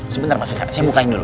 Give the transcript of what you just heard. sebentar mas uriah saya bukain dulu